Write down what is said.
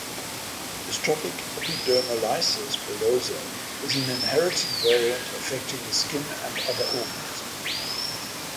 Dystrophic epidermolysis bullosa is an inherited variant affecting the skin and other organs.